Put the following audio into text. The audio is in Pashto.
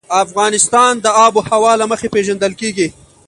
افغانستان د آب وهوا له مخې پېژندل کېږي.